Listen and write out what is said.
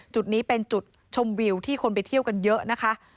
จุดนี้เป็นจุดชมวิวที่คนไปเที่ยวกันเยอะนะคะ